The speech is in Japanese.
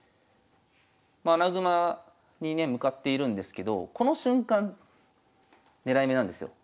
まあ穴熊にね向かっているんですけどこの瞬間狙い目なんですよ。